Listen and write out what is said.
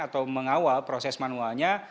atau mengawal proses manualnya